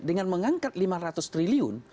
dengan mengangkat lima ratus triliun